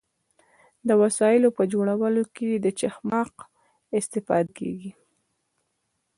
د وسایلو په جوړولو کې له چخماق استفاده کیده.